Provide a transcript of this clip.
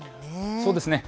そうですね。